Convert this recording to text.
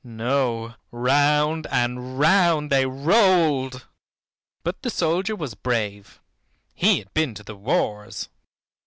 No, round and round they rolled. But the soldier was brave; he had been to the wars.